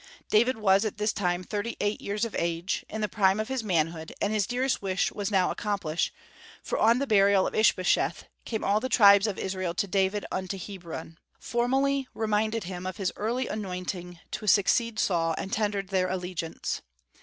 David was at this time thirty eight years of age, in the prime of his manhood, and his dearest wish was now accomplished; for on the burial of Ishbosheth "came all the tribes of Israel to David unto Hebron," formally reminded him of his early anointing to succeed Saul, and tendered their allegiance.